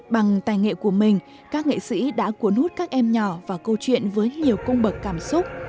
bằng tài nghệ của mình các nghệ sĩ đã cuốn hút các em nhỏ vào câu chuyện với nhiều cung bậc cảm xúc